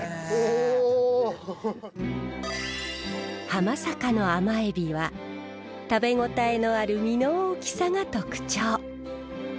浜坂のアマエビは食べ応えのある身の大きさが特徴。